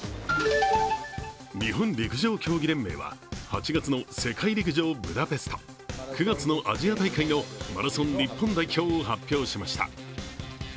日本陸上競技連盟は８月の世界陸上ブダペスト９月のアジア大会のマラソン日本代表を発表しました。